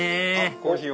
コーヒー